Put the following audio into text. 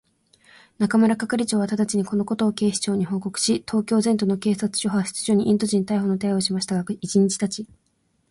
中村係長はただちに、このことを警視庁に報告し、東京全都の警察署、派出所にインド人逮捕の手配をしましたが、一日たち二日たっても、